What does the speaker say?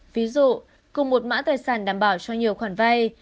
ví dụ cùng một mã tài sản đảm bảo cho nhiều khoản vay